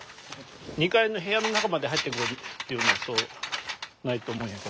２階の部屋の中まで入ってくるっていうのはそうないと思うんやけど。